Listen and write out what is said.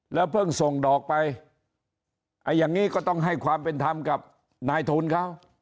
แล้วเพิ่งส่งดอกไปอย่างนี้ก็ต้องให้ความเป็นธรรมกับนายทุนเขา